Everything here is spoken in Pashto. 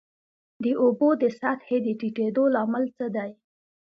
د اوبو د سطحې د ټیټیدو لامل څه دی؟